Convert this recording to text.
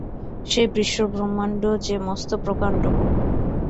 সে বিশ্বব্রহ্মাণ্ড যে মস্ত প্রকাণ্ড।